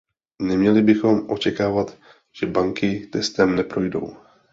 Neměli bychom očekávat, že banky testem neprojdou.